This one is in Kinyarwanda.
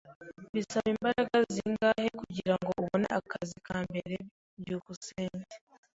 Bisaba imbaraga zingahe kugirango ubone akazi ka mbere? byukusenge